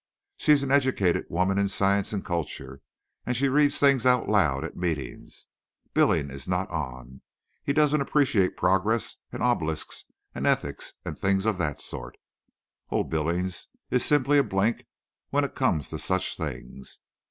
She's an educated woman in science and culture, and she reads things out loud at meetings. Billings is not on. He don't appreciate progress and obelisks and ethics, and things of that sort. Old Billings is simply a blink when it comes to such things.